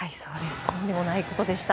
とんでもないことでした。